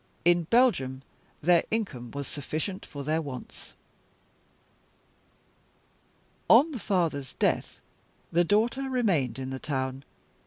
In Belgium their income was sufficient for their wants. On the father's death, the daughter remained in the town.